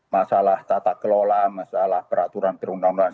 masalah tata kelola masalah peraturan perundang undangan